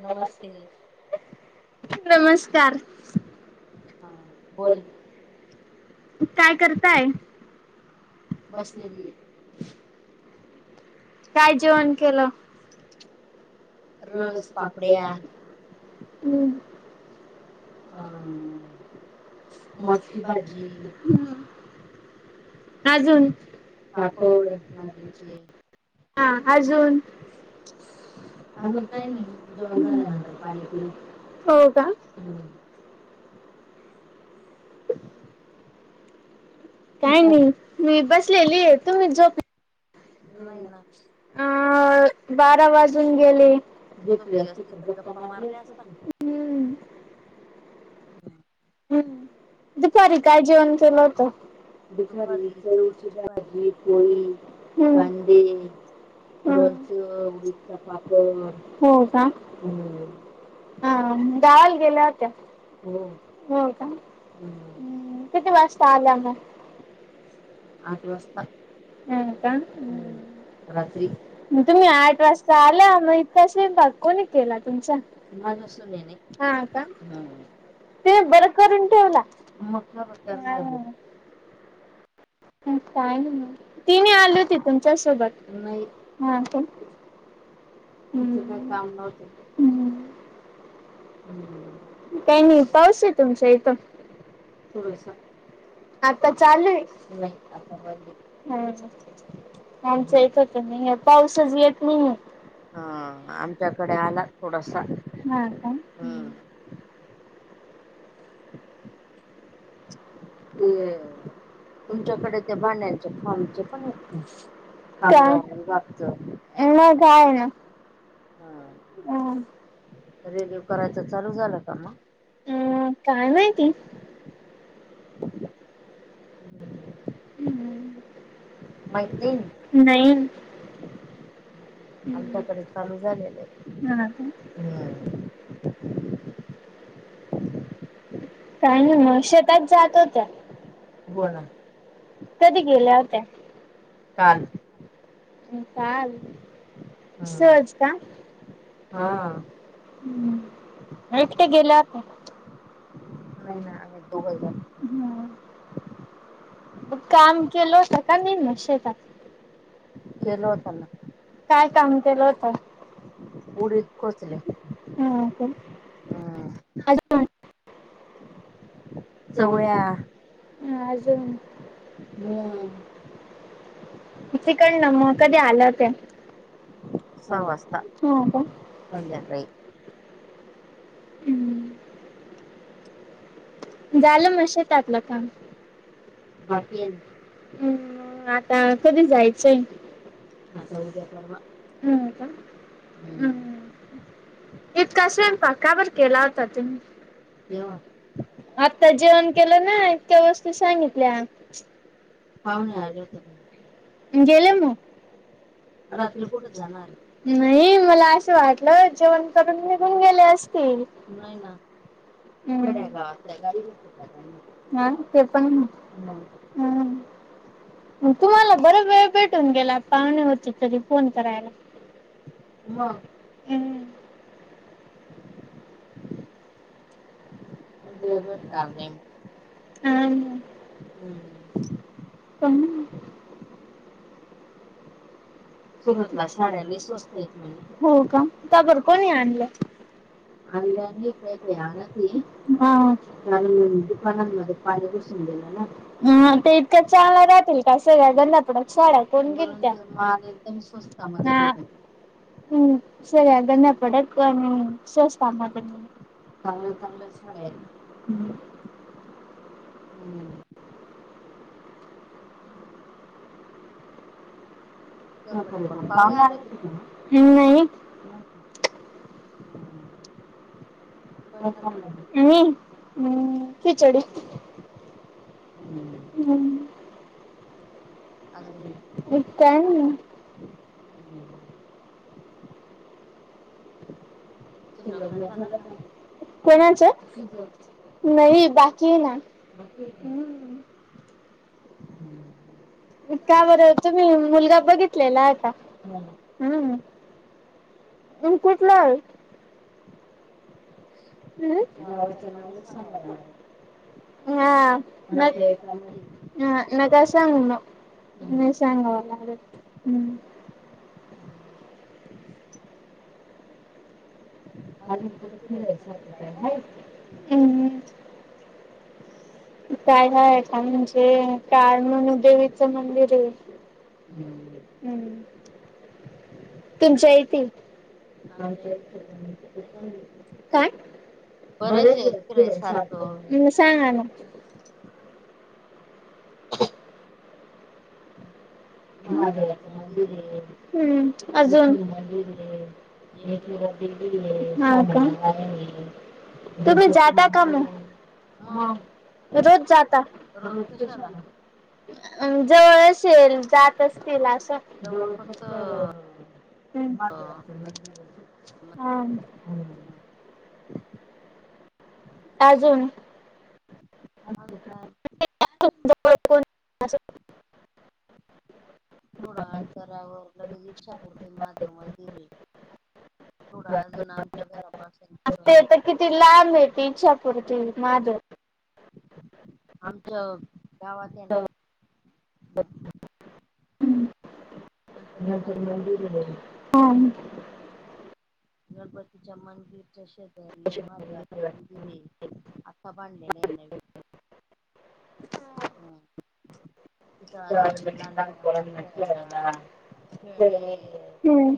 नमस्ते नमस्कार. हा बोल. काय करताय? बसलेली. काय जेवण केलं. रस पापड्या अ मोती भाजी हम्. अजून पापड भाकरीचे हा अजून अजून ज काही नाही जेवण झाल्यानंतर झा पाणी पिलं हो का? क काय नाही मी बसलेली आहे तुम्ही झोप. नाही ना अ बारा वाजून गेले द. झोपली असती तर गप्पा मारल्या असतात हम. हम्म दुपारी काय जेवण केलं होत. भखारी दुपारी कोळीची चवळीची भाजी पोळी पोळीां कांदे लोणचं उडीदचा पापड हो जा. हम्म हा ावाल गेल्या होत्या. हो हो का हम्म किती वाजता आलं म आठ वास्ता का रात्री मग तुम्ही आठ वाजता आल्या मग इथे असेल बघ. कोणी केला तुमचा माझ्या मधुस सुनेने हा का? हम्म ते बरं करून ठेवला. मग का बरं करणार का तिने आली होती तुमच्या सोबत नाही हा. तिथं काय हम्म. काम नव्हतं. हम्म. काही नाही पाऊस आहे तुमचा इथं. थोडसा आता चालेूय. नाही आता बंदी. हम् आमच एकत नाही पाऊसच येत नाही. हा आमच्याकडे आला थोडासा हा का? हम्म. हम. तुमच्याकडे तर गगयचे खायचे पण आहेत का? क कामगार न. विभागच. ह ना काय ना. हा रेडिओ करायच चालू झालं का मग अम् काय माहिती [inaudible] हं. माहित मैत्रीण? नाही नही. हं. आमच्याकडे चालू झालेलं आहे. हा का? हम्म. काय म्हणे म शेतात जात होत्या? हो ना. कधी गेल्या होत्या? काल. काल? हा. सहज का? हा. अं एकटे गेल्या होत्या? नाही ना आम्ही दोघ जन हां. ब काम केलं होत का नही म शेतात? केलं होत ना. काय काम केलं होत? उडीद खुरपणी केली. हा का? हां. अजून सवई या. चवळ्या आज, मूग तिकडन म कधी आल्या होत्या? सहा वाजता. हा का? संध्याकाळी. हं, झालं म शेतातलं काम? हा बाकी आहे केलं. ना मं आता कधी जायचंय? आता उद्या परवा. हा का? हम्म हं, इतका स्वयंपाक का बरं केला होता तुम्ही? केव्हा? तेव्हा आत्ता जेवण केलं ना. इतक्या वस्तू सांगितल्या. पाहुणे आले होते त्यामुळं. गेले म? रात्री कुठं कुठे जाणार जाणारे? नही मला असं वाटलं जेवण करून निघ घून गेले असतील. नाही ना हं. खेड्या गावात काय गाडी भेटते का त्यांना हा ते पण हो आहे. हं. तुम्हाला बर वेळ भेट टून गेला पाहुणे होते तरी फोन करायला. मग [inaudible] वेळ भेटणार नाही. हम्म हं. [unintelligible] सुरतला साड्या लई स्वस्त ये म्हणे. हो का? का बर कोणी आणल्या? आणल्या नाही. काहीकाही आणत होई, कारण दुकानांमधी, दुकानांमध्ये पाणी घुसून गेलं हा. ना म ते इतकं चांगल्या राहतील का असं गंध्यापटक साड्या कोण घेईल म्हणून त्या? ते माल एकदम स्वस्तमधे पडतो. स्वस्तामध्ये हा. भेटल हं, सगळ्या गांध्यापटक अन स्वस्तमधे चांगल्या चांगल्या साड्याहेत. हं. हम्म तुझ्याकडं कोन पाहुणे आले होते का नही? नाही ह. काय खाल्ल म? मी? अं खिचडी. हं. हं. आजुन? हं. काय नाही तुझं लग्न झालं का? कोणाचं? तुझं. नही बाकीय ना. बाकी का? हं. हं. काबर तुम्ही मुलगा बघितलेलाये का? पण हं. [unintelligible] अं? गावाचं नाव नही सांगायला लागत. हा. आपल्या याच्या नातेवाईकामध्ये मधी. हा नका सांगू मग. नाही सांगावा लागत तर. हं. अजून कुठं कुठ फिरायचं फिरायसारखं असं काय हाय हायच का अं हं काय नाय छान म्हणजे काळ म्हणू देेवीचं मंदिरये. हो तुमच्या इथी इथं काय बरेच आहेत ये फिराय सारख फिरायसारखं ह मं सांगा ना [unintelligible] महादेवाच महादेवाचं मंदिर आहे ये हूं विठ्ठल अजून मंदिर ये मंदिर एकविरा आहे, देवी ये हा का [unintelligible] तुम्ही जात का म गणपती हा मग रोज जाता रोज कशाला? जवळ असेल जात असतील असं. हं जवळ फक्त महादेवाचे मंदिर ये अजून हा हूं अजून आणि काय थोडा अंतरावर लगेच इच्छापुरते महादेव मंदिरये. थोडं अजून आमच्या घरापासून पुढ ती लांब ये ती इच्छापूरती माधव. आमच्या गावात ये ना. हा गणपती मंदिर ये. हा ह गणपतीच्या मंदिर च्या शेजारी महादेवाच मंदिर ये आत्ता बांधलेलं ये नवीन हम्म तिथं अजून लहानपोरांना खेळायला खेळणी ये. हूं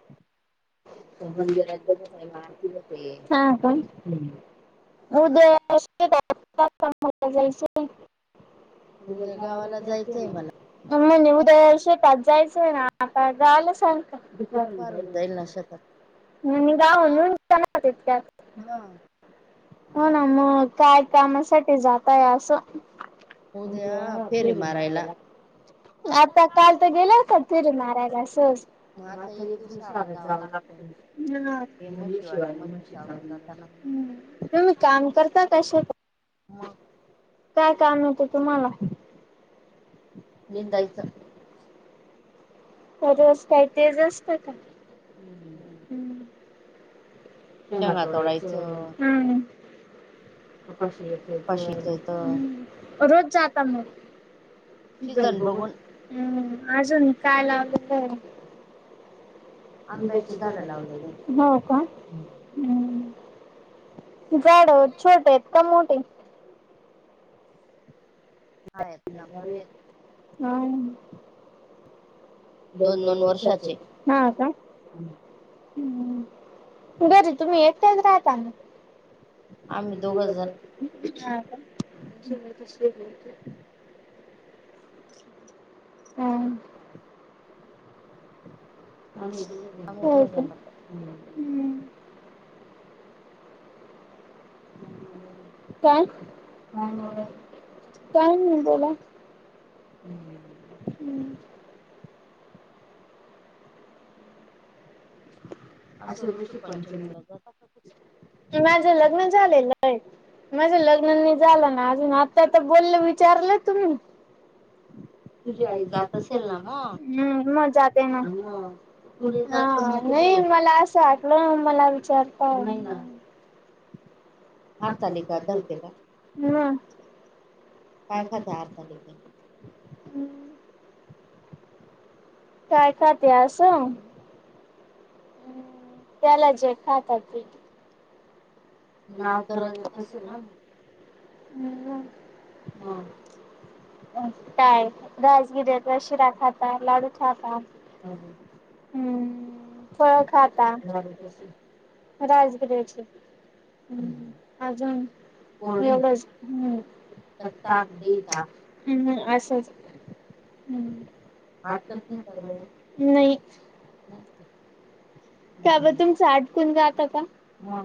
[unintelligible] त्या मंदिरात दररोज आरती होते हा का हो [unintelligible] जायचय. उद्या गावाला जायचंय मला. म्हणजे उद्या शेतात जायचयना ना आता झाआल सांगतो पीक पारून जाईल ना शेतात [unintelligible] मं मी गाऊन घेऊन येणार होतेत काय? हा हो ना मग काय कामासाठी जाताय असं उद्या उदया फेरी मारायला मारयला. आता काल तर गेले होतात फिरी मारायला मं आता एक दिवसा आड जावं लागतो हा हे [unintelligible] म्हशीवाले शिवाय म्हशी म्हशीचा चारून जाताना हं तुम्ही काम करता हा शेता मग काय काम येतं तुम्हाला निंदायचं रोज काय तेज असत का हूं पुन्हा तोडायच हूं तोडायचं [unintelligible] पाशीच्या इथं हूं रोज जात म सीजन बघून हूं अजून काय लावलेलं हाय मं आंब्याची झाड लावलेली येत हो का झाड छोट आहेत का मोठे हा आहेत लाबोरे आहेत. काय नाय दोन दोन वर्षाचे हा का हूं घरी तुम्ही एकट्याच राहता ना आम्ही दोघे जण हा का हूं [inaudible] का आम्ही दोघ हम् जण काय काय मग काय नाही बोला हम्म. अस असं ऋषी पंचमीला जाता का माझ लग्न झालेल माझ्या लग्नानी झालं ना अजून आता तर बोललं विचारलं तुम्ही तुझी आई हम् जात असेल ना मग मजज ना मग तु नाही जात पण हा मग तुझ्या नाही आई मला असं वाटलं मला विचारता नाही हारताल का धरते का मग पैसाा तयार झाले ह काय खाते आस. हम् त्याला जे खातात ते. नाव ठराे ना ह मग काय गासगिर्याेत शिरा खाता लाडू खाता. अजून हम्म फळ खाता. लागू राजगिरा्याची. अजूनता, कोरडे एवढच हा ताक दही देता. ताक हम् असंच नाही. ह. त्या ब तुमच आटकून जात का. मग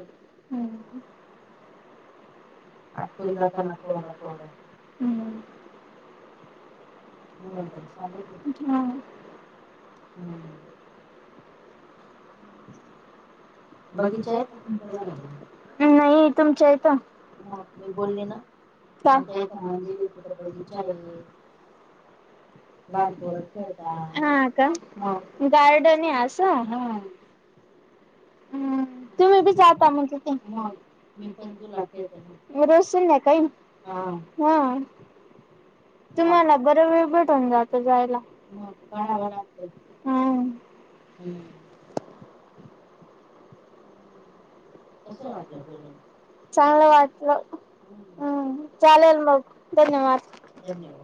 अ आटकून जाताना कोरडं कोरडं न मग नंतर सांगत होते हम्म [unintelligible] बगीचा आहे का तुमच्या घरा जवळ. नाही तुमच्या इथं. ब मी बोलले ना सांत आमच्या इथं म्ह मंदिर आहे [unintelligible] तिथं बगीचा ह [unintelligible] आहे लहान पोरं खेळता ह का मग गार्डन हा आस. हा हम्म तुम्ही बी जाता म्हजे. म मग मी पण तुला रस खेळते काही, ना रोज संध्याकाळी. हा तुम्हाला बर वेळ भेटून जातो जायला. मग ह कराव काढावं लागतं लागत ह. हम्म कसं वाटलं बोलून. चांगलं वाटलं. हम्म चालेलल मग धन्यवाद. धन्यवाद